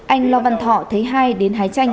anh lo văn thọ thấy hai đến hái tranh